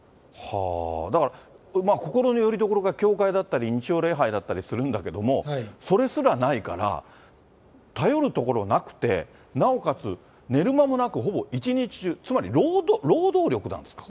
だから、心のよりどころが教会だったり、日曜礼拝だったりするんだけども、それすらないから頼るところなくて、なおかつ、寝る間もなくほぼ一日中、つまり労働力なんですか。